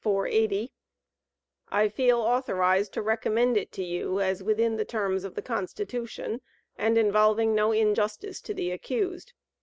480), I feel authorized to recommend it to you, as within the terms of the Constitution, and involving no injustice to the accused.